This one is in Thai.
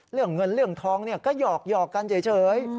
เรื่องเงินเรื่องทองก็หยอกกันเฉย